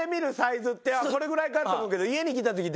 これぐらいかと思うけど。